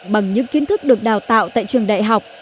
bằng những kiến thức được đào tạo tại trường đại học